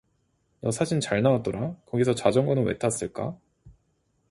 너 사진 잘나왔더라 거기서 자전거는 왜 탔을까?